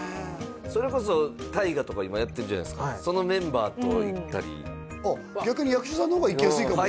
それこそ大河とか今やってるじゃないですかそのメンバーと行ったり逆に役者さんの方が行きやすいかもね